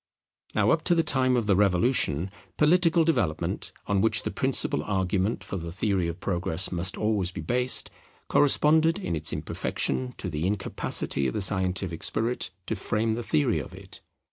Now up to the time of the Revolution, political development, on which the principal argument for the theory of Progress must always be based, corresponded in its imperfection to the incapacity of the scientific spirit to frame the theory of it.